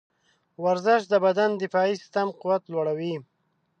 ورزش د بدن د دفاعي سیستم قوت لوړوي.